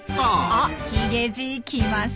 あヒゲじい来ましたね！